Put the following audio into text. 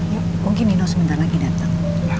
yuk mungkin nino sebentar lagi datang